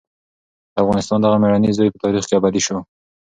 د افغانستان دغه مېړنی زوی په تاریخ کې ابدي شو.